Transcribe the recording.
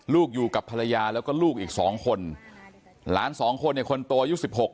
อยู่กับภรรยาแล้วก็ลูกอีกสองคนหลานสองคนเนี่ยคนโตอายุสิบหก